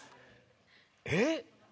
えっ？